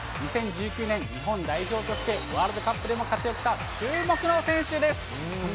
２０１９年日本代表として、ワールドカップでも活躍した注目の選手です。